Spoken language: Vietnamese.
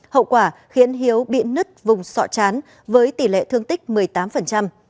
hậu quả khiến hiếu bị nứt vùng sọ chán với tỷ lệ thương tích một mươi tám